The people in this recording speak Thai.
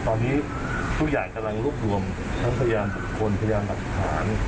ตอนนี้ผู้ใหญ่กำลังรวบรวมทั้งพยานบุคคลพยานหลักฐาน